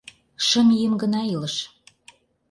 Шым ийым гына илыш.